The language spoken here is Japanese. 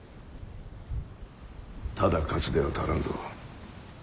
ただ勝つでは足らんぞ。